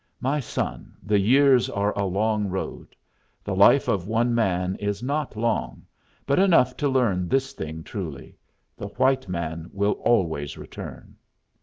My son, the years are a long road. The life of one man is not long, but enough to learn this thing truly: the white man will always return.